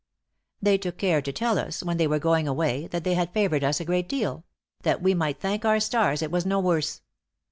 "They took care to tell us, when they were going away, that they had favored us a great deal that we might thank our stars it was no worse.